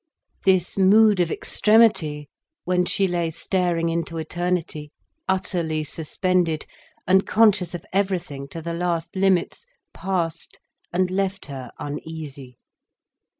This mood of extremity, when she lay staring into eternity, utterly suspended, and conscious of everything, to the last limits, passed and left her uneasy.